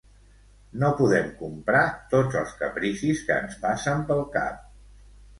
No podem comprar tots els capricis que ens passen pel cap.